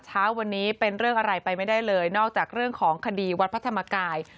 เช้าวันนี้เป็นเรื่องอะไรไปไม่ได้เลยนอกจากเรื่องของคดีวัดพระธรรมกาย